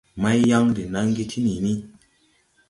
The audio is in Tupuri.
Maiyaŋ de naŋge ti niini.